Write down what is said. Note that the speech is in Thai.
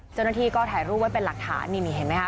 เจ้าหน้าที่ก็ถ่ายรูปไว้เป็นหลักฐานนี่นี่เห็นไหมค